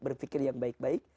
berpikir yang baik baik